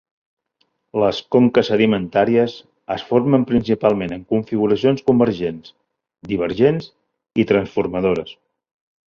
Les conques sedimentàries es formen principalment en configuracions convergents, divergents i transformadores.